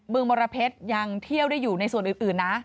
มรเพชรยังเที่ยวได้อยู่ในส่วนอื่นนะ